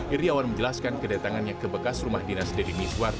iryawan menjelaskan kedatangannya ke bekas rumah dinas deddy miswar